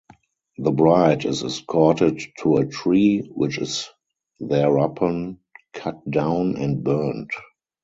The bride is escorted to a tree, which is thereupon cut down and burned.